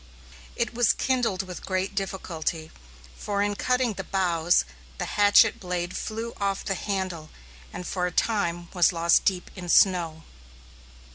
It was kindled with great difficulty, for in cutting the boughs, the hatchet blade flew off the handle and for a time was lost in deep snow.